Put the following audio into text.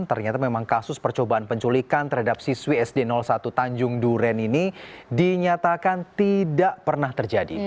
ternyata memang kasus percobaan penculikan terhadap siswi sd satu tanjung duren ini dinyatakan tidak pernah terjadi